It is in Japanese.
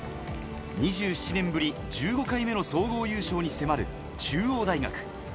２７年ぶり１５回目の総合優勝に迫る中央大学。